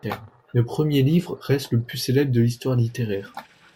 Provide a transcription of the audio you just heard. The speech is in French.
Le premier livre reste le plus célèbre de l'histoire littéraire.